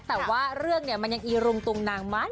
แต่ว่าเรื่องเนี่ยมันยังอีรุงตุงนางไหม